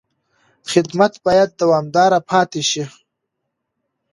خدمت باید دوامداره پاتې شي.